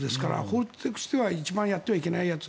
法律としては一番やってはいけないこと。